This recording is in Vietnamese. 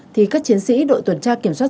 thì các chiến sĩ đội tuần tra kiểm soát